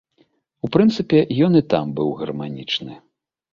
У прынцыпе, ён і там быў гарманічны.